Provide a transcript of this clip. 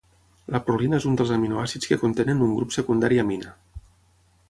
La prolina és un dels aminoàcids que contenen un grup secundari amina.